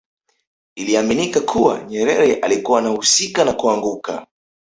Iliaminika kuwa Nyerere alikuwa anahusika na kuanguka